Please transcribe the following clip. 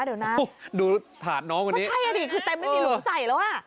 ดูถาดน้องกว่านี้ไม่ใช่นี่คือเต็มไม่มีหลุมใส่แล้ว